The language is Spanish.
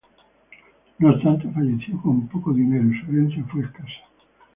No obstante, falleció con poco dinero y su herencia fue escasa.